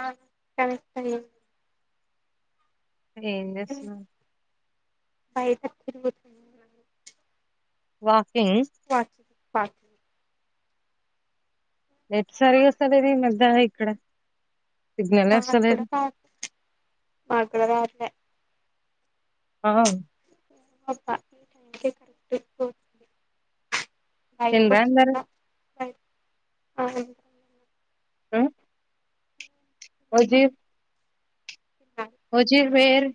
ఆ సరే సరే ఏం చేస్తున్నారు బయట తిరుగుతుంది వాకింగ్ [inaudible] నెట్ సరిగ్గా వస్తలేదు ఈ మధ్య ఇక్కడ సిగ్నలే వస్తలేదు మాకూడా రా మాకూడ రావట్లే ఆ అబ్బా ఈ టైంకి కరెక్ట్ తీకోతుంది బయటికి తిన్రా అందరు [unintelligible] మ్ ఓ జీ తిన్నాడు ఓజీర్ మెర్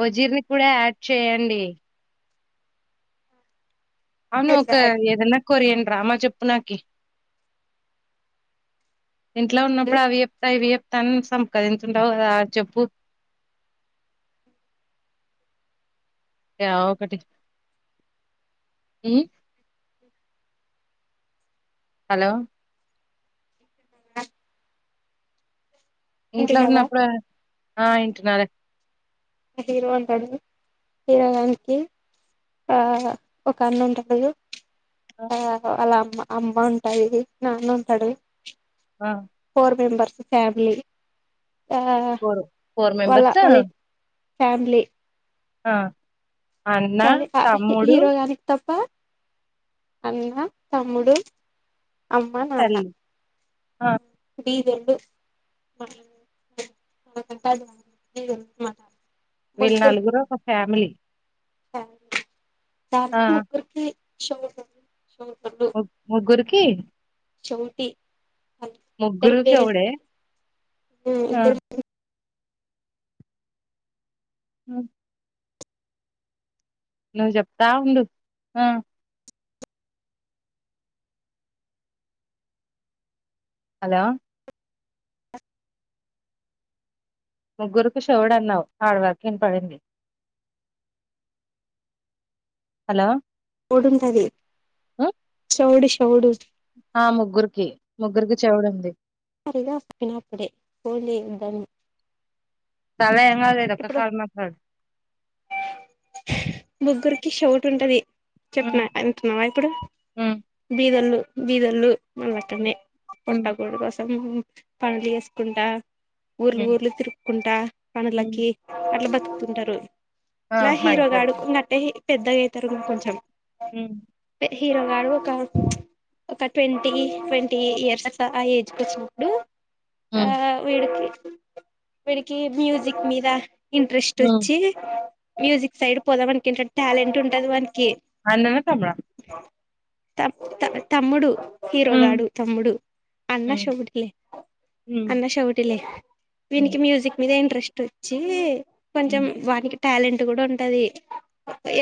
వజీర్ని కూడా యాడ్ చేయండి అవును ఒక ఎట్లా అడిగి ఏదన్నా కొరియన్ డ్రామా చెప్పు నాకి ఇంట్లో ఇప్పుడు ఉన్నప్పుడు అవి చెప్తా ఇవి చెప్ తన్ సంపకదీంటుంటావ్ కదా ఆ చెప్పు గా ఒకటి హలో ఇంట్లో వింటున్నావా ఉన్నప్పుడా, ఆ ఇంటున్నారే హీరో ఉంటడు హీరోయినికి ఆ ఒక అన్న ఉంటడు ఆ వాళ్ళ అమ్మ అమ్మ ఉంటాది నాన్న ఉంటాడు ఆ ఫోర్ మెంబేర్స్ ఫ్యామలీ ఆ ఫోర్ ఫోర్ వాళ్ళ మెంబర్స్ వాళ్ళ ఫ్యామిలీ ఆ అన్న కానీ ఆ తమ్ముడు హీరోగానికి తప్ప అన్న తమ్ముడు అమ్మ నాన్న తల్లి ఆ ఈ రెండు [unintelligible] వీల్ నలుగురు ఒక ఫ్యామిలీ సార్, సార్ దా ఆ ముగ్గురికి షో ముప్ ముగ్గురికి చెవటి, ఇద్ద ముగ్గురు పేరె చెవుడే [unintelligible] ఆ ఇద్దరు ముగ్గురు మ్మ్ నువ్వు చెప్తా ఉండు ఆ హలో ముగ్గురుకు చెవుడు అన్నావు అడ్వారకు ఇంతైంది హలో చౌడుంటాది ఉమ్, చెౌడు చెౌడు ముగ్గురికు చెవుడుంది [unintelligible] నప్పుడే ఫోన్ చేయొద్దని చాలా ఏం లేదు ఒక్క ఇప్పుడు కాళ మాట్ [inaudible] ముగ్గురికి షోటు ఉంటది ఉమ్ చెప్పినా అంటున్నావా ఇప్పుడు ఉమ్ బీదోళ్ళు బీదోళ్ళు మన లెక్కనే ఉమ్ పొట్టగూడు కోసం పనులు చేసుకుంటా ఊర్లు ఉమ్ ఊర్లు తిరుక్కుంటా ఉమ్ పనులకి అట్ల బతుకుతుంటరు ఆ ఇట్లా హీరోగాడు మైగ్రేషన్ [unintelligible] పెద్దగైతరు కొంచెం మ్ హీరో గాడు కా ఒక ట్వంటీని ట్వంటీ ఇయర్స్ అట్ల ఆ ఏజ్ కు వచ్చినప్పుడు ఆ ఉమ్ వీడికి వీడికి మ్యూజిక్ మీద ఇంట్రెస్ట్ ఉమ్ ఒచ్చి మ్యూజిక్ సైడ్ పోదామనకిటడ్ టాలెంట్ ఉంటదు వని అన్నానా తమ్ముడా తప్ త తమ్ముడు ఉమ్ హీరోగాడు తమ్ముడు అన్న ఉమ్ చౌడికి ఉమ్ అన్న షౌటిలే ఉమ్ వినికి మ్యూసిక్ మీద ఇన్ ఇంట్రెస్ట్ వచ్చి కొంచెం ఉమ్ వానికి టాలెంట్ కూడా ఉంటది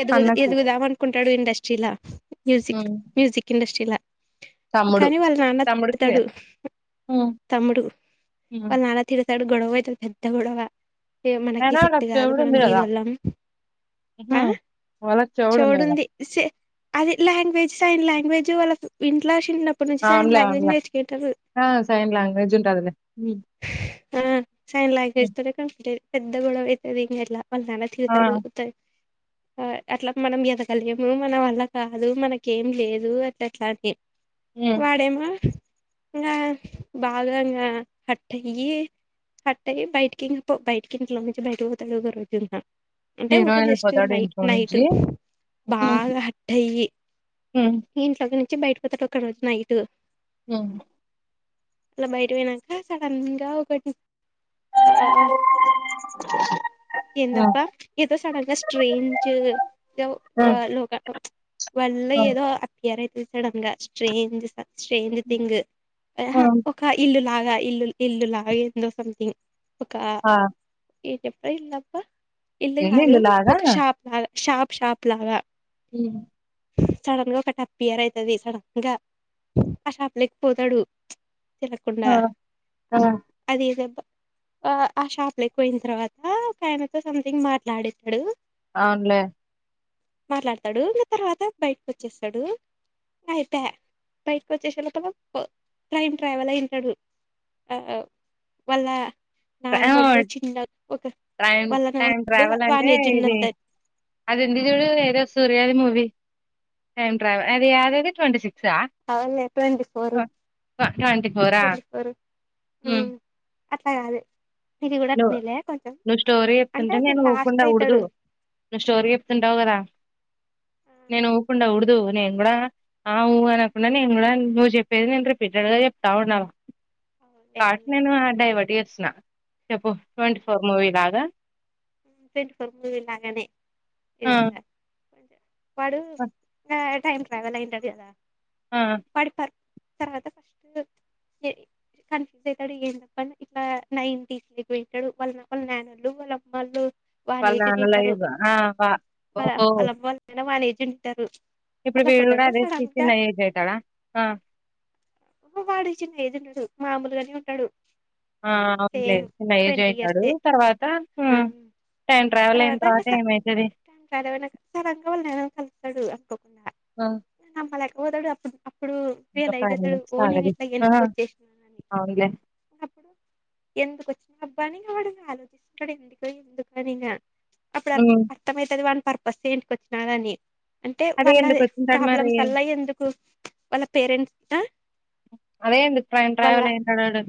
ఎగు అన్నకి ఎదుగుదాం అనుకుంటాడు ఇండస్ట్రీ లా మ్యూజిక్ ఉమ్ మ్యూజిక్ ఇండస్ట్రీల తమ్ముడు కానీ వాళ్ళ నాన్న తమ్ముడికి తిడతాడు ఉమ్ తమ్ముడు ఉమ్ వాళ్ళ నాల తిడతడు గొడవ అవుతుంది పెద్ద గొడవ మనకి అయినా సిట్టు వాళ్ళకి కాదు చెవుడు మనం ఉంది కదా ఏదివలం ఉహూ ఆ వాళ్ళకి చెవుడు ఉంది కదా చౌడుఉంది స అది లాంగ్వేజ్ సైడ్ లాంగ్వేజ్ వాళ్ళ ఇంట్లో చిన్నప్పటి నుంచి సైన్ అవునులే లాంగ్వేజ్ అవునులే. నేర్చుకుంటారు ఆ! సైన్ లాంగ్వేజ్ ఉంటదిలే. హ్మ్. ఆ సైన్ హ్మ్. లాంగ్వేజ్ తరే కంప్లీట్ పెద్ద గొడవ అవుతుంది ఇం ఎట్లా వాళ్ళ నాన్న ఆ! తిడతాడు అట్లా మనం ఎదగలేము మన వల్ల కాదు మనకేం లేదు అట్ అట్లానే హ్మ్. వాడేమో ఇకా బాగా ఇంగా హట్ అయ్యి హార్ట్ అయి బయటికి ఇం బయటకి ఇంట్లో నుంచి బయటకి పోతాడు ఒక రోజు అంటే హీరో ఉకి జస్ట్ ఎళ్ళిపోతాడు నై ఇంట్లో నైట్ నుంచి. హ్మ్. బాగా హట్ అయి హ్మ్. ఇంట్లో ఒక నుంచి బయటపోతడు ఒక నైట్ హ అలా బయట పోయాక సడన్ గా ఒకటి ఆ ఎండబ్బ ఏదో సడన్ గా స్ట్రేంజ్ ఆ! లోగా వాళ్ళ ఆ! ఏదో అప్పయర్ అయితు సడన్ గా స్ట్రేంజ్ [inaudible] స్ట్రేంజ్ థింగ్ ఆ! ఒక ఇల్లు లాగా ఇల్లు ఇల్లు లాగ ఏందో సంథింగ్ ఒక ఆ! ఏటప్పుడ ఇల్లా ఇల్లు ఏంది కాదు ఇల్లులాగా? ఒక షాప్ లాగా షాప్ షాప్ లాగా హ సడన్ గా ఒక టప్ ఇయర్ అవుతుది సడన్ గా ఆ షాప్ లేకపోతాడు తలకుండా ఆ! ఆ! అది ఆ ఆ షాప్ క్ పోయిన తర్వాత ఒక ఆయనతో సంథింగ్ మాట్లాడేతాడు అవునులే మాట్లాడతాడు తర్వాత బయటకు వచ్చేస్తాడు అయిపోయా బయటకి వచ్చేసి లోపల టైమ్ ట్రావెల్ అయింటాడు ఆ వాళ్ళ నాన్నోళ్ళు చిన్న ఒక టైం వాళ్ళ టైం నాన్నప్పుడు ట్రావెల్ అంటే వాని ఏజ్ ఇది ఉన్నంత అది ఉంది చూడు ఏదో సూర్యాది మూవీ టైమ్ ట్రావెల్ అది యాదది ట్వంటీక్స్ అవునులే ట్వంటీ ఫోర్ ట్వంటీ ఫోర్ ఆ ట్వంటీ ఫోర్ హ ఉమ్ అట్లా కాదే ఇది కూడా [unintelligible] నువ్వు స్టోరీ అంటే చెప్తుంటే అది నేను లాస్ట్ వ్వకుండా ఉడదు అయితాడు నువ్వు స్టోరీ చెప్తుంటావు కదా ఆ నేను ఊకుండా ఉడ్దు నేను కూడా ఆ ఊ అనకుండా నేను కూడా నువ్వు చెప్పేది నేను రిపీటెడ్ గా చెప్తా ఉండలా అవునులే అవునులే కాట్నాను డైవర్ట్ చేస్తున ట్వంట ఫోర్ మూలాగానే [inaudible] ఆ ఇది వాడు ఆ, టైమ్ ట్రావెల్ అయింటారు కదా ఆ, వాడి పర్ తర్వాత ఫస్ట్ కన్ఫ్యూజ్ అయితాడు ఏంటప్ప ఇట్లా నైన్టీస్ వింటాడు వాళ్ళ వాళ్ళ నాన వాళ్ళ అమ్మళ్ళు వానే వాళ్ళ ఏజ్ నాన్న తింటారు లైఫ్ ఆ, వా- వాళ్ళ ఓహో వాళ్ళ అమ్మ వాళ్ళైనా వానేజ్ ఉంటారు ఇప్పుడు అట్లా వీళ్ళ కూడా పోతాడు అదే తీసి సడన్గా నై ఏజ్ అవుతాడా వాడు చిన్న ఏజ్ ఉండడు మామూలుగానే ఉంటాడు ఆ సేమ్ అవునులే ఏజ్ ట్వంటీ అయితడు ఇయర్సే తర్వాత ఆ టైం ట్రావెల్ అయిన తర్వాత [unintelligible] ఏమవుతుంది వాళ్ళ కలుతాడు అనుకోకున్నా ఆ అలాగా అప్పుడు ఇంకా రియలైజ్ ఫైవ్ అవుతాడు మినిట్స్ ఓ నేను కావాలి ఇట్లా వెనక్కి వచ్చేసినానని ఆ [unintelligible] అప్పుడు ఎందుకు వచ్చిన అబ్బా అని వాడు ఆలోచిస్తడు ఎందుక ఎందుకనిగా అప్పుడు ఉమ్, అర్థమ అవుతది వన్ పర్పస్ ఏంటికొచ్చినా అని అంటే అదే వాళ్ళ ఎందుకు వచ్చింటాడు మరి ప్రాబ్లమ్స్ వల్లా ఎందుకు వాళ్ళ పేరెంట్స్ అదేంది ఇప్పుడు ఆన వాళ్ళ ట్రావెల్ అయ్యంటడాడు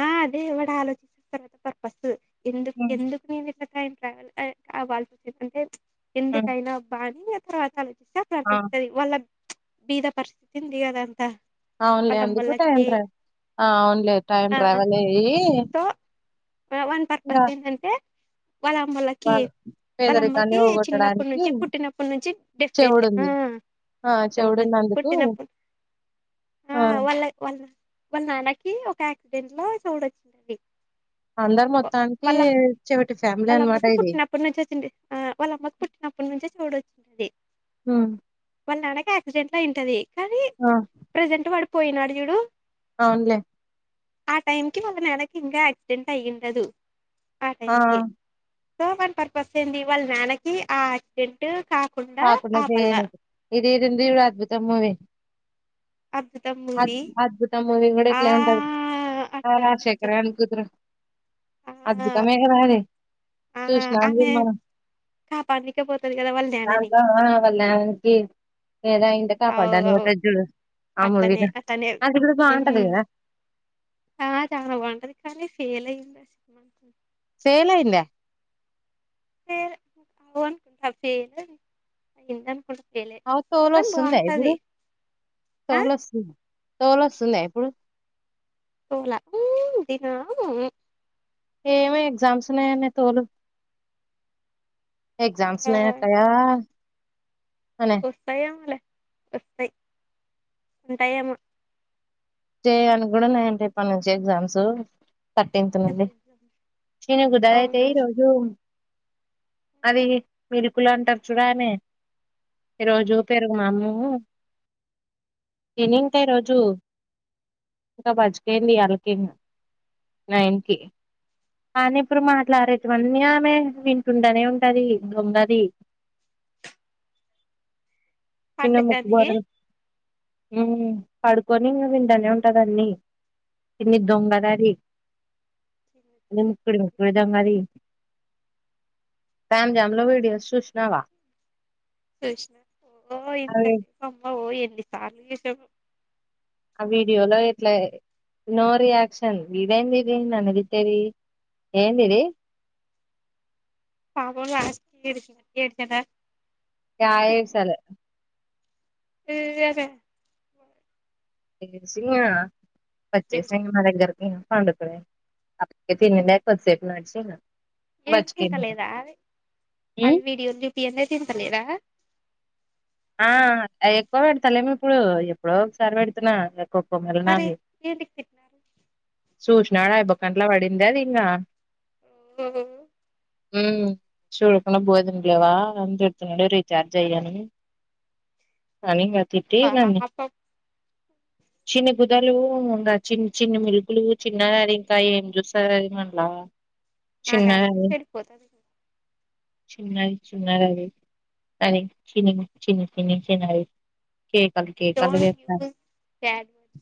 ఆ అదే వాడు ఆలోచిస్తస్తారు పర్పస్ ఎందుకు ఉమ్, ఎందుకు నే ట్రావెల్ వాల్ చ వచ్చింటే ఉమ్, ఎందుకైనబా అని తర్వాత ఆ ప్రథీ వల్ బీద పరిస్థితి గధ అంత అవున్లే అందు కుటా హ ఆ అవున్లె టైమ్ ఆ ట్రావెల్ అయి సో వాని పర్పస్ ఏంటంటే వాళ్ళ అమ్మలకి వాళ్ళ పేదరికాన్ని అమ్మకి చిన్నప్పటి పోగొట్టడానికి నుంచి పుట్టినప్పటి నుంచి డేఫేలే ఆ చెవుడుంది ఆ చూడుంది చెవుడున్నందుకు పుట్టినప్పుడు ఆ వాళ్ళ వాళ్ళ వాళ్ళ నాన్నకి ఒక యాక్సిడెంట్ లో చెవూడొచ్చింది అందరు మొత్తానికి వాళ్ళమ్మకి చెవిటి ఫ్యామిలీ అనమాట వాళ్ళమ్మకి ఇది పుట్టినప్పుడు నుంచి తిన్ ఆ వాళ్ళమ్మకి పుట్టి అప్పటి నుంచే చెవుడు వచ్చింది హూ వాళ్ళ నానకి ఆక్సిడెంట్ అయింటది కానీ ఆ ప్రెజెంట్ వాడు పోయినాడు చూడు అవునులే ఆ టైం కి వాళ్ళ మేడకి ఇంకా యాక్సిడెంట్ అయ్యంటది ఆ టైం కి సో వన్ పర్పస్ ఏంటి వాళ్ళ నాన్నకి ఆయాక్సిడెంట్ కా [unintelligible] అద్భుత మూవే అద్భుతం అద్ మూవీ అద్భుత మూవీ కూడా ఆ ఇట్లే ఉంటది ఆ అట్లా రాజశేఖర కొంచెం గాని కుతురు ఆ అద్భుత మే గధ ఆది ఆ ఆమె కాపాడనికిపోతది కదా వాళ్ళ డాడీ దాంట్లో వాల్ల నాన్నకి లేదా ఇంట అవు కాపాడ్డాను అని అవు ఉంటది చూడు అ మూవీ అట్లనే లో అట్లనే అది కూడా ఉమ్ బాగుంటది కదా ఆ చాలా బంటది కానీ ఫేల్ అయింది అది ఫెయిల్ అయిందా [unintelligible] ఆ ఫోన్ కానీ ఓస్తుందా ఇప్పుడు బాగుంటది ఆ ఫోన్ ఒస్తుంది ఫోన్ ఒస్తుందా ఇప్పుడు పోయిన [unintelligible] ఏమో ఎగ్జామ్స్ ఉన్నాయని తోలీ ఎగ్జామ్ లు అయినాట ఒస్తాయిమలే వస్తయి ఉంటాఏమో స్టే అనికి కూడా రేపటి నుంచి ఎగ్జామ్స్ థర్టీన్త్ సెమ్ నుండి ఎగ్జామ్స్ [unintelligible] కుదర అయితే అవునా ఈ రోజు అది మీరుకులు అంట [unintelligible] ఈ రోజు పెరుగు నా అన్నము ఇనికా ఈ రోజు ఇంకా [unintelligible] నన్కి కానీ ఇప్పుడు మాట్లాడేటవన్నీ ఆమె వినుకుంటానే ఉంటది దొంగది నీన్న మక్కా అందుకని గారెలు ఉ పడుకోని ఇంగ కుంటనే ఉంటంది అన్ని ఇన్ని దొంగదది [unintelligible] సమ్ జామ్ లో వడియోస్ సూష్నవా సష్ ఓ అవి ఇంతమ్మ ఓ ఎన్నిసార్లు విష ఆ వీడియోలో ఇట్లా నో రియాక్షన్ వీడైంది ఇది న అదితేరి ఏందిది పాప అ అడిచద య చాల అ లేర సి పచ్చే సిమాగ పాండప బక సట్న్నాడు ఎం తింటా లేదా ఆ మ్మ్ విీడియో లిపఎన్లే తింటాలేదా ఆ ఎక్కువ పెడతలేేమిో ఇప్పుడు ఎప్పుడో ఒకసారి పెడుతున్నా గప్ప మరి మలనాది ఏంటికి తిట్టినారు సూచనాడు యాబ గంటల పడింది అది ఇంకా ఓ చూడకుండా పోదంలేవా అ తిడుతున్నాడు రీచార్జ్ అయ్యాను కానీ కతి అన్ని పాపం చిన్ని బుదలు ఇంకా చి చిన్ని మిలుపులు చిన్న అది ఇంకా ఏం చూస్తారు అది మనలా నా గరంటే చెడికిపోతుంది కూడాదా చన చ చినయి అ చిని చిని చిని చనయి కే కలు కే కలు డోంట్ వేా యూస్ బ్యాడ్ వర్డ్స్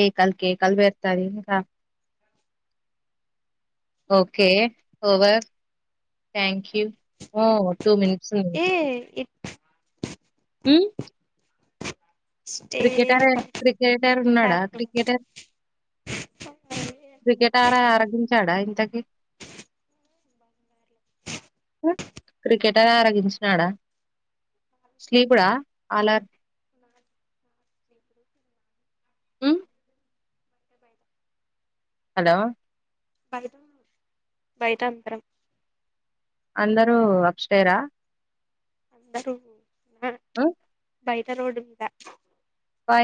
ఏయ కల్ కేే కల్వేర్తారద okay over thank you two minutes ఉంది ఏ ఇంకా it's um stay cricketer cricketer ఉన్నాడా క్రికెటర్ క్రికెట్ ఆ ఆరగించాడా ఇంతకి క్రికెట్ అని ఆరగించినాడా స్లీ కూడా అలార్ హ్మ్. హలో బయటా బయట అంతరం అందరూ అక్షయరా అందరూ ఆ బయట రోడుంద పై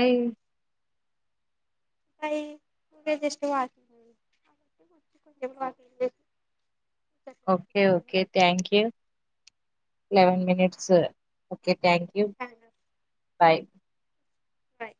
ప జస్ వా అచ్చ కొె okay okay thank you eleven okay minutes okay thank you bye bye